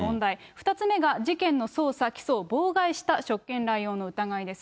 ２つ目が事件の捜査・起訴を妨害した職権乱用の疑いです。